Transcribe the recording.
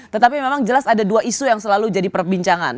tetapi memang jelas ada dua isu yang selalu jadi perbincangan